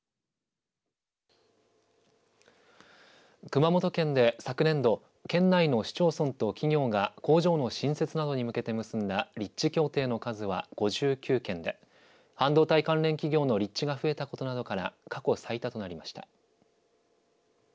熊本県で昨年度県内の市町村と企業が工場の新設などに向けて結んだ立地協定の数は５９件で半導体関連企業の立地が増えたことなどから過去最多となりました。